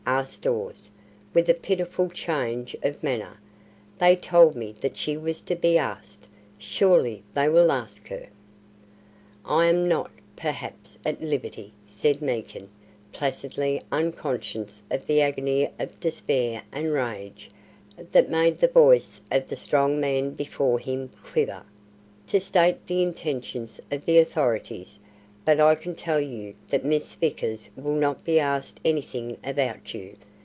asked Dawes, with a pitiful change of manner. "They told me that she was to be asked. Surely they will ask her." "I am not, perhaps, at liberty," said Meekin, placidly unconscious of the agony of despair and rage that made the voice of the strong man before him quiver, "to state the intentions of the authorities, but I can tell you that Miss Vickers will not be asked anything about you.